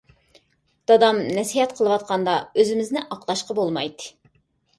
دادام نەسىھەت قىلىۋاتقاندا ئۆزىمىزنى ئاقلاشقا بولمايتتى.